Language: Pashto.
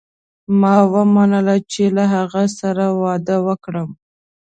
ما ومنله چې له هغه سره واده وکړم.